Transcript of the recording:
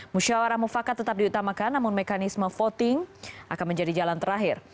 musyawarah mufakat tetap diutamakan namun mekanisme voting akan menjadi jalan terakhir